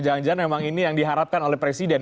jangan jangan memang ini yang diharapkan oleh presiden